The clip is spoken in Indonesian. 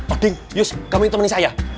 oding yus kamu yang temani saya